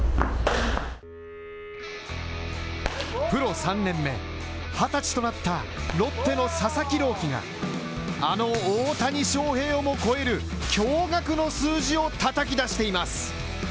プロ３年目、二十歳となったロッテの佐々木朗希があの大谷翔平をも超える驚がくの数字をたたき出しています。